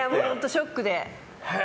ショックで。